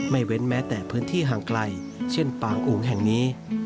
เว้นแม้แต่พื้นที่ห่างไกลเช่นปางอุ๋งแห่งนี้